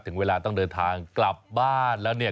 ถึงเวลาต้องเดินทางกลับบ้านแล้วเนี่ย